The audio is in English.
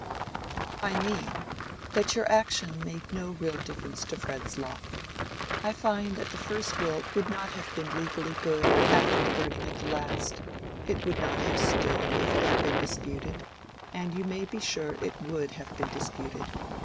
"I mean, that your action made no real difference to Fred's lot. I find that the first will would not have been legally good after the burning of the last; it would not have stood if it had been disputed, and you may be sure it would have been disputed.